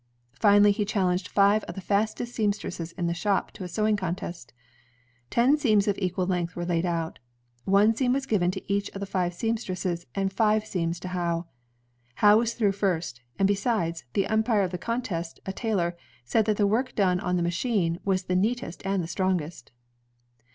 Finally he challenged five of the fastest seamstresses in the shop to a sewing contest. Ten seams of equal length were laid out. One seam was given to each of the five seamstresses and five seams to Howe. Howe was through first, and besides, the umpire of the contest, a tailor, said that the work done on the machine was the neatest and the strongest.